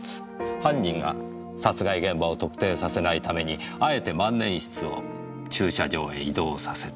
犯人が殺害現場を特定させないためにあえて万年筆を駐車場へ移動させた。